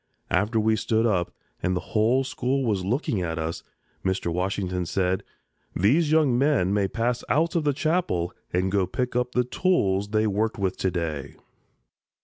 After we stood up and the whole school was looking at us, Mr. Washington said: "These young men may pass out of the Chapel and go and pick up the tools they worked with to day."